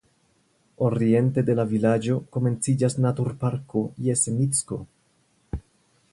Oriente de la vilaĝo komenciĝas naturparko Jesenicko.